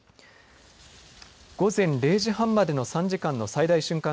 午前０時半までの３時間の最大瞬間